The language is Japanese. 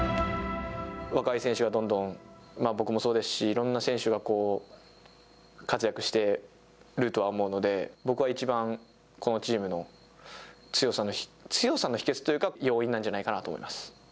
若い選手がどんどん僕もそうですし、いろんな選手が活躍してるとは思うので、僕は一番このチームの強さの秘訣というか要因なんじゃないかなと思います。